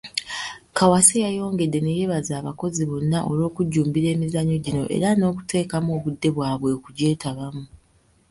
Kawaase yayongedde neyebaza abakozi bonna olw'okujjumbira emizannyo gino era n'okuteekamu obudde bwabwe okugyetabamu.